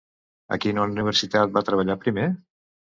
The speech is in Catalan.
A quina universitat va treballar primer?